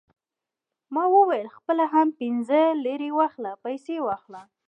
ما وویل: خپله هم پنځه لېرې واخله، پیسې واخله.